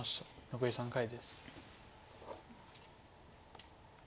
残り３回です。